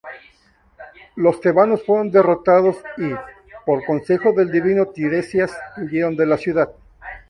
Los tebanos fueron derrotados y, por consejo del adivino Tiresias, huyeron de su ciudad.